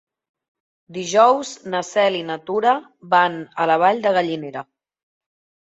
Dijous na Cel i na Tura van a la Vall de Gallinera.